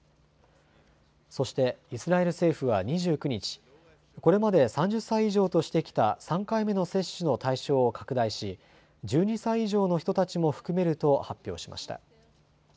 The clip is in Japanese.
そしてイスラエル政府は２９日、これまで３０歳以上としてきた３回目の接種の対象を拡大し１２歳以上の人たちも含めると発表しました。